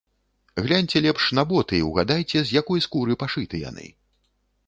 Гляньце лепш на боты і ўгадайце, з якой скуры пашыты яны.